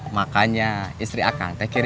makanya mama teman